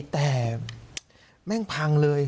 แต่แม่งพังเลย